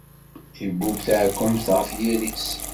Ibub taɛkemt ɣef yiri-s